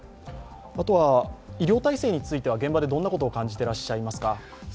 医療体制については現場でどのようなことを感じていらっしゃいますか？